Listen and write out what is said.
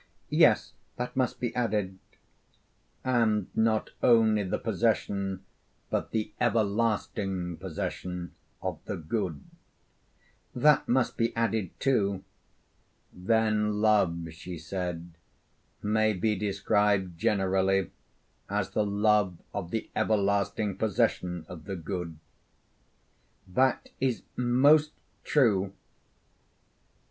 'Yes, that must be added.' 'And not only the possession, but the everlasting possession of the good?' 'That must be added too.' 'Then love,' she said, 'may be described generally as the love of the everlasting possession of the good?' 'That is most true.'